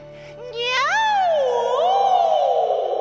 ニャオ！